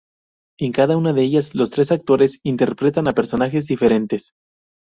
En cada una de ellas los tres actores interpretan a personajes diferentes.